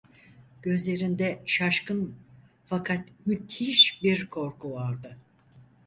Gözlerinde şaşkın, fakat müthiş bir korku vardı.